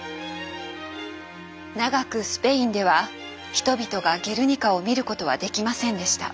長くスペインでは人々が「ゲルニカ」を見ることはできませんでした。